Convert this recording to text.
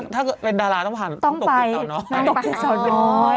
ถ้าเป็นดาราต้องผ่านต้องตกใจเนอะ